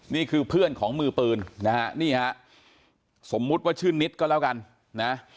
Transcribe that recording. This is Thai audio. นี่คือเพื่อนของมือปืนนะฮะนี่ฮะสมมุติว่าชื่อนิดก็แล้วกันนะ